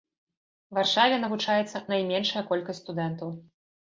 Варшаве навучаецца найменшая колькасць студэнтаў.